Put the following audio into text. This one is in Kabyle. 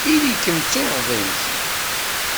Ili-kem d tuɣdimt.